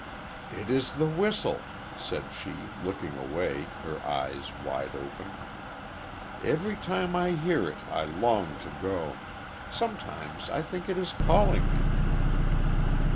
"It is the whistle," said she, looking away, her eyes wide open. "Every time I hear it I long to go. Sometimes I think it is calling me."